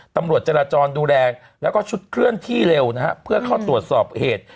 ตำรวจจราจรดูแลแล้วก็ชุดเคลื่อนที่เร็วนะฮะเพื่อเข้าตรวจสอบเหตุ